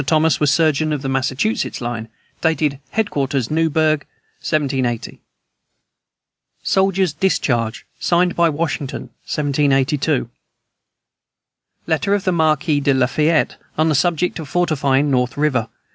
Thomas was surgeon of the Massachusetts line. Dated headquarters, Newburgh, 1780. Soldiers' discharge, signed by Washington, 1782. Letter of the Marquis de Lafayette on the subject of fortifying the North river.